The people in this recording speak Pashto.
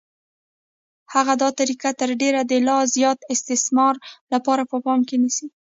هغه دا طریقه تر ډېره د لا زیات استثمار لپاره په پام کې نیسي